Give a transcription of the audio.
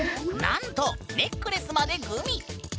なんとネックレスまでグミ！